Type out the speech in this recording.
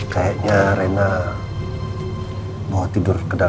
kayaknya rena mau tidur ke dalam